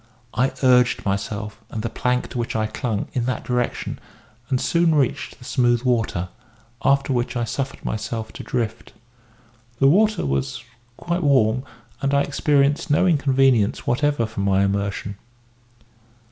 I urged myself, and the plank to which I clung, in that direction, and soon reached the smooth water; after which I suffered myself to drift. The water was quite warm, and I experienced no inconvenience whatever from my immersion.